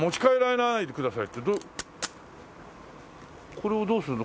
これをどうするの？